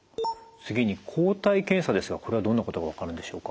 次に抗体検査ですがこれはどんなことが分かるんでしょうか？